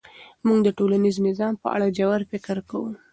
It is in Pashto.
موږ د ټولنیز نظام په اړه ژور فکر کوو.